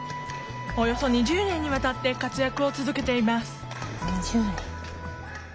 およそ２０年にわたって活躍を続けています